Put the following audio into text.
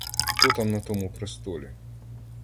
Хто там на тому престолі?